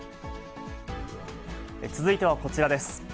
続いてはこちらです。